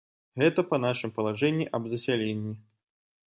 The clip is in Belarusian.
Гэта па нашым палажэнні аб засяленні.